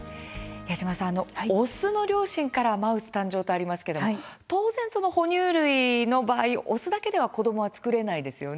矢島さん、オスの両親からマウス誕生とありますけれども当然、哺乳類の場合オスだけでは子どもは作れないですよね。